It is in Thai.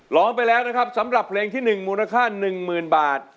ร้องไปแล้วนะครับสำหรับเพลงที่๑มูลค่า๑๐๐๐บาท